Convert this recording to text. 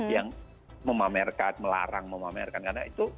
yang memamerkan melarang memamerkan karena itu